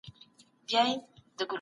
ده د قلم او تورې هممهاله استعمال وکړ